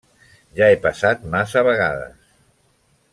-Ja he passat massa vegades.